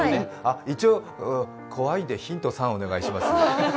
一応、怖いんでヒント３お願いします。